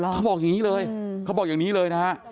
เขาบอกอย่างนี้เลยเขาบอกอย่างนี้เลยนะฮะ